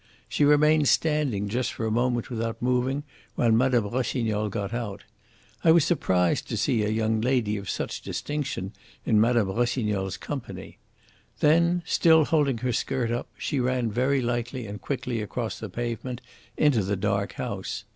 She remained standing just for a moment without moving, while Mme. Rossignol got out. I was surprised to see a young lady of such distinction in Mme. Rossignol's company. Then, still holding her skirt up, she ran very lightly and quickly across the pavement into the dark house.